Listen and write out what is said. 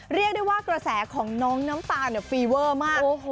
เรียกได้ว่ากระแสของน้องน้ำตาลฟีเวอร์มาก